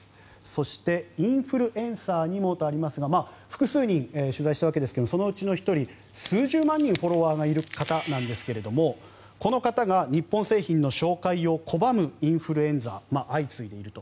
そして、インフルエンサーにもとありますが複数人、取材したわけですがそのうちの１人、数十万人フォロワーがいる方ですがこの方が日本製品の紹介を拒むインフルエンサーが相次いでいると。